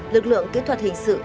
lực lượng kỹ thuật hình sự